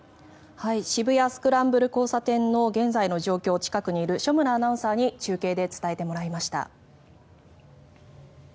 渋谷・スクランブル交差点の現在の状況を近くにいる所村アナウンサーに中継で伝えてもらいました。